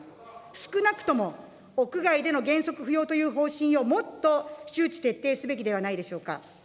少なくとも屋外での原則不要という方針をもっと周知徹底すべきではないでしょうか。